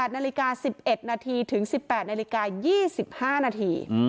๘นาฬิกา๑๑นาทีถึง๑๘นาฬิกา๒๕นาที